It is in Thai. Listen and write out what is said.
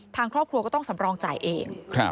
ทางครอบครัวก็ต้องสำรองจ่ายเอง